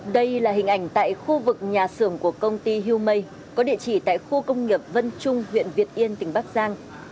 đây là hình ảnh tại khu vực nhà xưởng của công ty hu mây có địa chỉ tại khu công nghiệp vân trung huyện việt yên tỉnh bắc giang